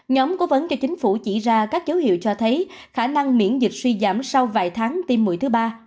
nhóm cố vấn cho chính phủ chỉ ra các dấu hiệu cho thấy khả năng miễn dịch suy giảm sau vài tháng tiêm mụi thứ ba